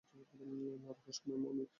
না, রহস্যময় মমি!